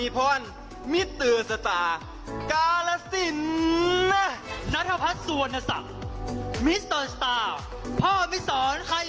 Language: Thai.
บริกษาเขาสู้เดือนมียากกัลพรักษ์โอเค